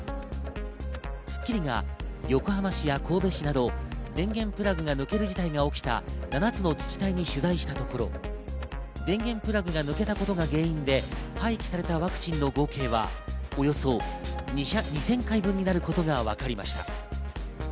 『スッキリ』が横浜市や神戸市など、電源プラグが抜ける事態が起きた７つの自治体に取材したところ、電源プラグが抜けたことが原因で廃棄されたワクチンの合計はおよそ２０００回分になることが分かりました。